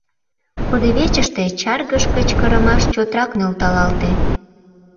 Кудывечыште чаргыж кычкырымаш чотрак нӧлталалте.